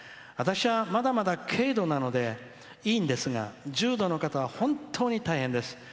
私は、まだまだ軽度なのでいいんですが、重度の方は本当に大変です。